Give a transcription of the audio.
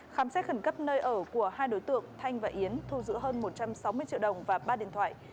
khám xét khẩn cấp nơi ở của hai đối tượng thanh và yến thu giữ hơn một trăm sáu mươi triệu đồng và ba điện thoại